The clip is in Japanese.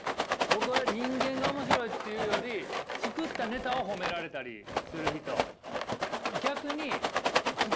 僕は人間が面白いっていうより作ったネタを褒められたりする人。